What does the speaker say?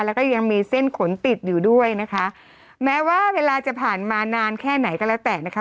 แล้วก็ยังมีเส้นขนติดอยู่ด้วยนะคะแม้ว่าเวลาจะผ่านมานานแค่ไหนก็แล้วแต่นะคะ